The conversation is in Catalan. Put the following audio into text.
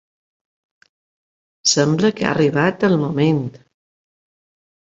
Sembla que ha arribat el moment.